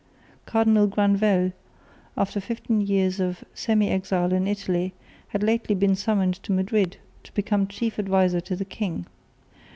Cardinal Granvelle, after fifteen years of semi exile in Italy, had lately been summoned to Madrid to become chief adviser to the king.